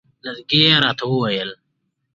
لرګی یې راته وویل.